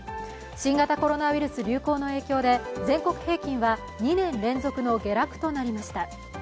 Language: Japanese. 新型コロナウイルス流行の影響で、全国平均は２年連続の下落となりました。